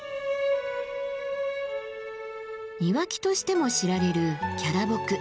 庭木としても知られるキャラボク。